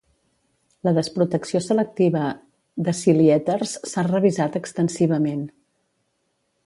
La desprotecció selectiva de siliéters s'ha revisat extensivament.